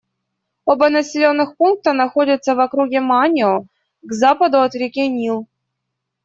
Оба населенных пункта находятся в округе Манио, к западу от реки Нил.